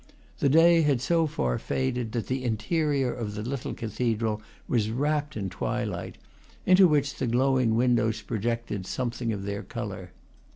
The day had so far faded that the interior of the little cathedral was wrapped in twilight, into which the glowing windows projected something of their color.